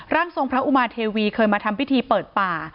ร่างทรงพระอุมาเทวีเคยมาทำพิธีเปิดป่า